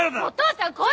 お父さん！